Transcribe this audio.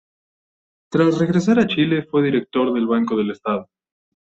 Tras regresar a Chile fue director del Banco del Estado.